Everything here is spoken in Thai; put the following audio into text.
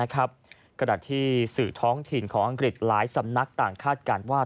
ขณะที่สื่อท้องถิ่นของอังกฤษหลายสำนักต่างคาดการณ์ว่า